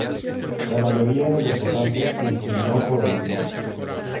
La mayoría de los votantes se inclinó por el no.